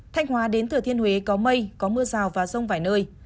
thanh hóa đến thừa thiên huế có mây có mưa rào và rông vài nơi